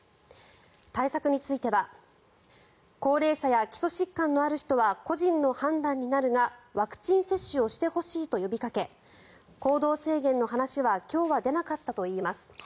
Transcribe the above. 対策については高齢者や基礎疾患のある人は個人の判断になるがワクチン接種をしてほしいと呼びかけ行動制限の話は今日は出なかったといいます。